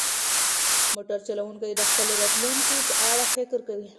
موټر چلونکی د خپل راتلونکي په اړه فکر کوي.